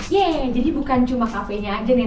yeay jadi bukan cuma kafenya aja nih